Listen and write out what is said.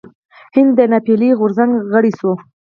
هند د ناپیيلي غورځنګ غړی شو.